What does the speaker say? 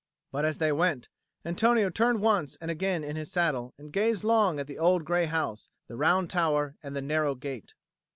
But, as they went, Antonio turned once and again in his saddle and gazed long at the old gray house, the round tower, and the narrow gate.